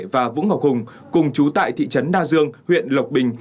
và vũ ngọc hùng cùng chú tại thị trấn na dương huyện lộc bình